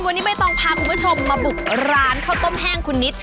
วันนี้ใบตองพาคุณผู้ชมมาบุกร้านข้าวต้มแห้งคุณนิด